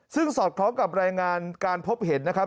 ซึ่งสอดคล้องกับรายงานการพบเห็นนะครับ